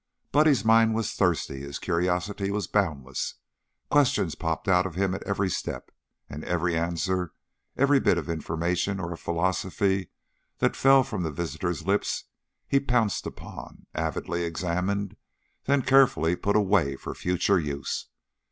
Buddy's mind was thirsty, his curiosity was boundless, questions popped out of him at every step, and every answer, every bit of information or of philosophy that fell from the visitor's lips he pounced upon, avidly examined, then carefully put away for future use.